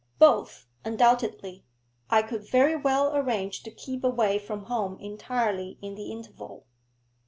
'Both, undoubtedly. I could very well arrange to keep away from home entirely in the interval.'